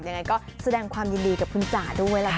ยังไงก็แสดงความยินดีกับคุณจ๋าด้วยละกัน